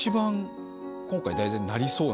今回。